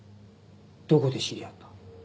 どこで知り合った？